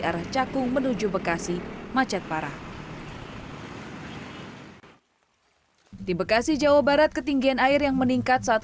arah cakung menuju bekasi macet parah di bekasi jawa barat ketinggian air yang meningkat saat